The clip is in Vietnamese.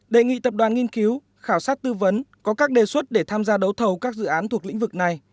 đề nghị tập đoàn nghiên cứu khảo sát tư vấn có các đề xuất để tham gia đấu thầu các dự án thuộc lĩnh vực này